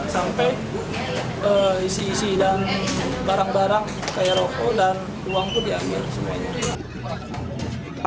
sampai isi isi dan barang barang kayak rokok dan ruang pun diambil semuanya